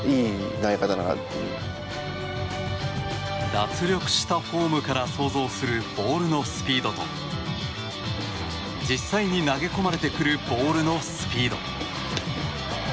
脱力したフォームから想像するボールのスピードと実際に投げ込まれてくるボールのスピード。